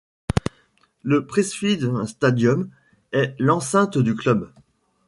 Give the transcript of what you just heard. Le Priestfield Stadium est l'enceinte du club.